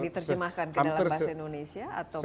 terjemahkan ke dalam bahasa indonesia atau memang